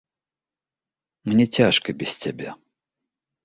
Мне цяжка без цябе.